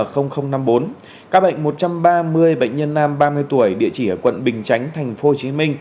các bệnh một trăm ba mươi bệnh nhân nam ba mươi tuổi địa chỉ ở quận bình chánh tp hcm